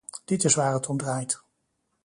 Dit is waar het om draait.